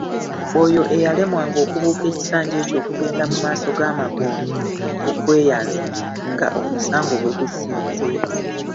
Oyo eyalemwanga okubuuka ekisanja ekyo okugenda mu maaso ga Magunda okweyanza nga omusango gwe gusinze.